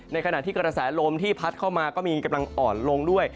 ขณะที่กระแสลมที่พัดเข้ามาก็มีกำลังอ่อนลงด้วย